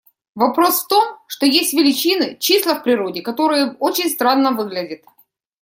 Вопрос в том, что есть величины, числа в природе, которые очень странно выглядят.